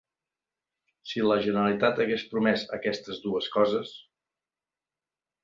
Si la Generalitat hagués promès aquestes dues coses